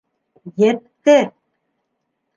Етте!